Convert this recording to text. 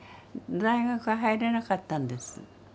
大学入れなかったんです。